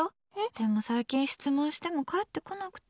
でも最近質問しても返ってこなくて。